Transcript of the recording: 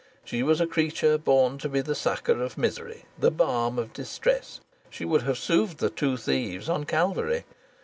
She was a creature born to be the succour of misery, the balm of distress. She would have soothed the two thieves on Calvary.